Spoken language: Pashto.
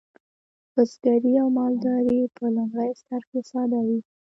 بزګري او مالداري په لومړي سر کې ساده وې.